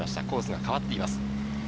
コースが変わっています。